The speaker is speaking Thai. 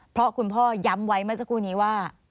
เพราะคุณพ่อย้ำไว้เมื่อสักครู่นี้ว่า